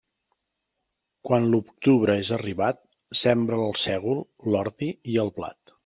Quan l'octubre és arribat, sembra el sègol, l'ordi i el blat.